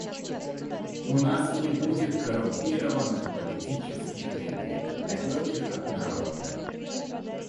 У нас не будет коррумпированных политических элит, далеких от народа.